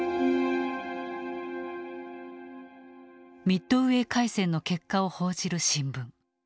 ミッドウェー海戦の結果を報じる新聞。